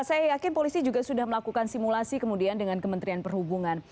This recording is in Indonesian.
saya yakin polisi juga sudah melakukan simulasi kemudian dengan kementerian perhubungan